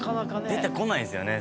出てこないですよね